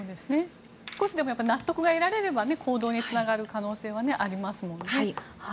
少しでも納得が得られれば行動につながる可能性はありますもんね。